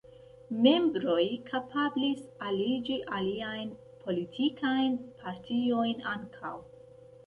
Membroj kapablis aliĝi aliajn politikajn partiojn ankaŭ.